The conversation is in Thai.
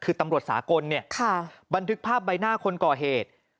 คือตำรวจสากลเนี่ยบันทึกภาพใบหน้าคนก่อเหตุ